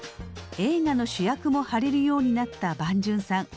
映画の主役もはれるようになった伴淳さん。